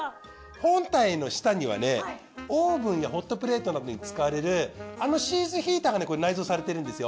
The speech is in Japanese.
本体の下にはねオーブンやホットプレートなどに使われるあのシーズヒーターがね内蔵されてるんですよ。